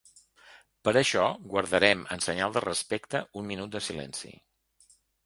Per això guardarem, en senyal de respecte, un minut de silenci.